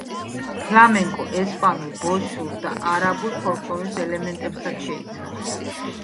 ფლამენკო ესპანურ, ბოშურ და არაბულ ფოლკლორის ელემენტებს შეიცავს.